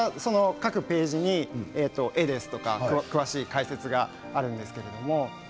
各ページに絵ですとか詳しい解説があるんです。